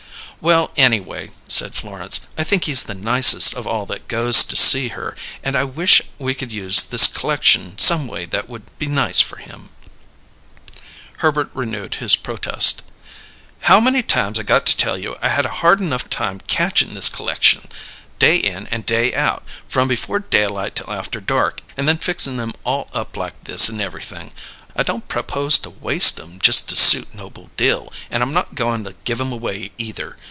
"Well, anyway," said Florence, "I think he's the nicest of all that goes to see her, and I wish we could use this c'lection some way that would be nice for him." Herbert renewed his protest. "How many times I got to tell you I had a hard enough time catchin' this c'lection, day in and day out, from before daylight till after dark, and then fixin' 'em all up like this and everything! I don't prapose to waste 'em just to suit Noble Dill, and I'm not goin' to give 'em away either.